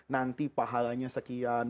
nanti pahalanya sekian